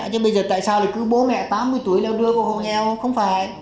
nhưng bây giờ tại sao cứ bố mẹ tám mươi tuổi leo đưa vào hồ nghèo không phải